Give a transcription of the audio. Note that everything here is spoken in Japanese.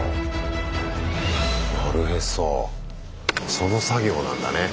その作業なんだね。